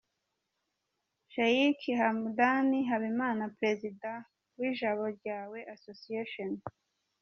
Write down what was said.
Sheikh Hamdan Habimana Perezida wa Ijabo ryawe Association.